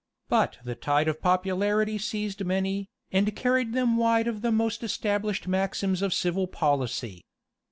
But the tide of popularity seized many, and carried them wide of the most established maxims of civil policy.